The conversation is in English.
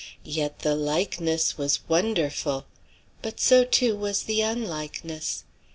Yet the likeness was wonderful. But so, too, was the unlikeness.